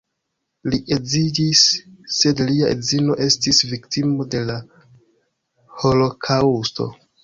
Li edziĝis, sed lia edzino estis viktimo de la holokaŭsto.